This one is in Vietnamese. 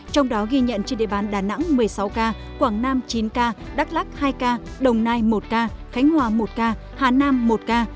trong đó ghi nhận trên địa bàn đà nẵng một mươi sáu ca quảng nam chín ca đắk lắc hai ca đồng nai một ca khánh hòa một ca hà nam một ca